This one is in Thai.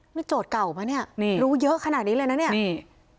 นี่โจทย์เก่าปะเนี่ยนี่รู้เยอะขนาดนี้เลยนะเนี่ยนี่